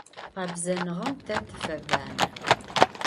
Къэбзэныгъэм тэ тыфэбанэ.